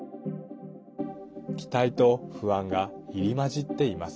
期待と不安が入り混じっています。